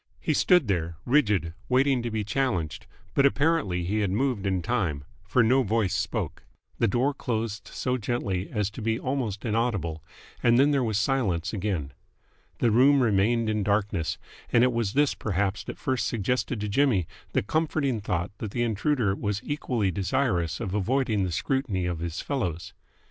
He stood there, rigid, waiting to be challenged, but apparently he had moved in time, for no voice spoke. The door closed so gently as to be almost inaudible, and then there was silence again. The room remained in darkness, and it was this perhaps that first suggested to Jimmy the comforting thought that the intruder was equally desirous of avoiding the scrutiny of his fellows.